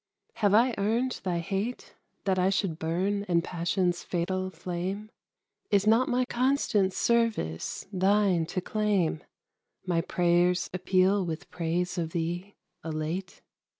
have I earned thy hate, That I should burn in passion's fatal flame? Is not my constant service thine to claim, My prayer's appeal with praise of thee elate?